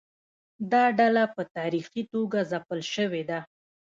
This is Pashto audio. دا ډله په تاریخي توګه ځپل شوې ده.